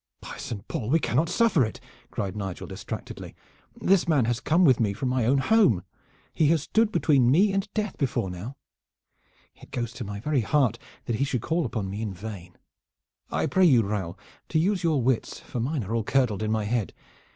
"By Saint Paul, we cannot suffer it!" cried Nigel distractedly. "This man has come with me from my own home. He has stood between me and death before now. It goes to my very heart that he should call upon me in vain. I pray you, Raoul, to use your wits, for mine are all curdled in my head.